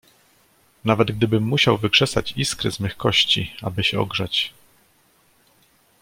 "Nawet, gdybym musiał wykrzesać iskry z mych kości, aby się ogrzać."